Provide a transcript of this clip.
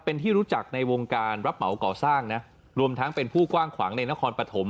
เป็นที่รู้จักในวงการรับเหมาก่อสร้างนะรวมทั้งเป็นผู้กว้างขวางในนครปฐม